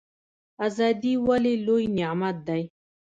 ازادي ولې لوی نعمت دی؟